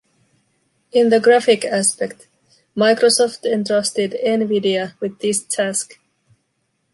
In the graphic aspect, Microsoft entrusted nVidia with this task.